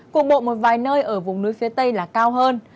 cục bộ một vài nơi ở vùng núi phía tây là cao hơn